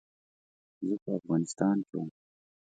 زه په افغانستان کې وم.